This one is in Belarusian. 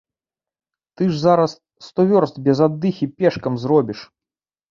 Ты ж зараз сто вёрст без аддыхі пешкам зробіш.